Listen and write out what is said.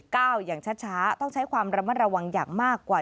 อย่างช้าต้องใช้ความระมัดระวังอย่างมากกว่า